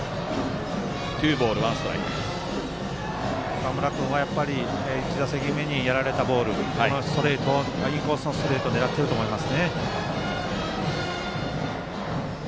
岡村君は１打席目にやられたボールインコースのストレートを狙っていると思います。